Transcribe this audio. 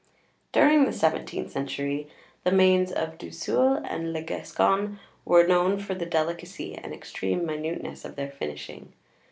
During the seventeenth century the names of Du Sueil and Le Gascon were known for the delicacy and extreme minuteness of their finishing.